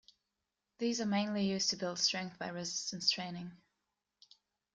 These are mainly used to build strength by resistance training.